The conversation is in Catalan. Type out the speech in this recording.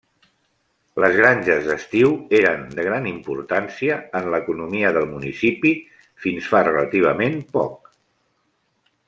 Les granges d'estiu eren de gran importància en l'economia del municipi fins fa relativament poc.